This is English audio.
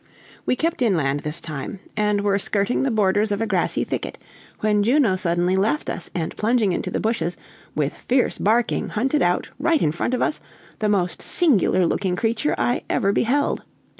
We kept inland this time, and were skirting the borders of a grassy thicket, when Juno suddenly left us, and plunging into the bushes, with fierce barking hunted out, right in front of us, the most singular looking creature I ever beheld.